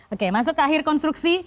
oke masuk ke akhir konstruksi